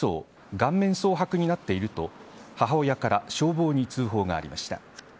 顔面蒼白になっていると母親から消防に通報がありました。